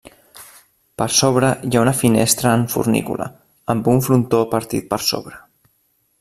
Per sobre hi ha una finestra en fornícula, amb un frontó partit per sobre.